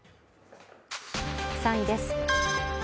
３位です。